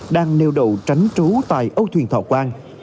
đang neo đậu tránh trú tại âu thuyền thọ quang